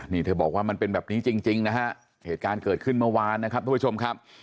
ที่บอกว่ามันเป็นแบบนี้จริงฮะเหตุการณ์ในเมื่อเมื่อเวลานะครับทุกผู้ชมครับ